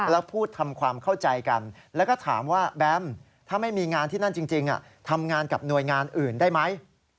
แล้วพูดทำความเข้าใจกันแล้วก็ถามว่าแบมถ้าไม่มีงานที่นั่นจริงทำงานกับหน่วยงานอื่นได้ไหม